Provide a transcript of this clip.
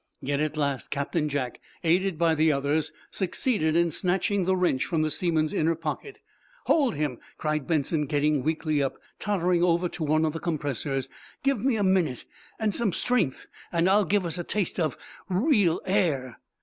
Yet at last Captain Jack, aided by the others, succeeded in snatching the wrench from the seaman's inner pocket. "Hold him," cried Benson, getting weakly up, tottering over to one of the compressors. "Give me a minute and some strength and I'll give us a taste of real air."